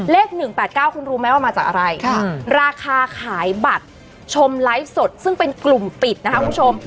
เลข๑๘๙คุณรู้ไหมว่ามาจากอะไรราคาขายบัตรชมไลฟ์สดซึ่งเป็นกลุ่มปิดนะคะคุณผู้ชม